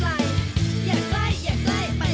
ไปแล้วไปให้ใกล้มันใกล้มันใกล้